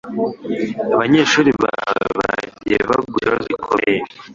Abanyeshuri bawe bagiye baguha ikibazo gikomeye?